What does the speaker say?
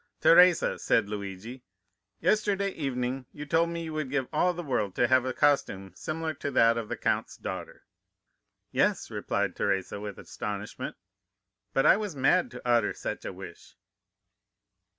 "'Teresa,' said Luigi, 'yesterday evening you told me you would give all the world to have a costume similar to that of the count's daughter.' "'Yes,' replied Teresa with astonishment; 'but I was mad to utter such a wish.